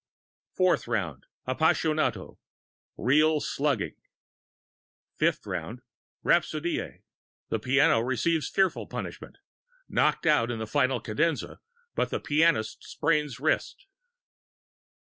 FOURTH ROUND: Appassionato. (Real slugging.) FIFTH ROUND: Rhapsodie. (Piano receives fearful punishment. Knocked out in final cadenza, but pianist sprains wrist.)